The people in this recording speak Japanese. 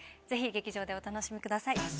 ぜひ劇場でお楽しみください。